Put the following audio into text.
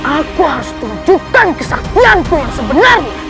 aku harus tunjukkan kesaktian tuhan sebenarnya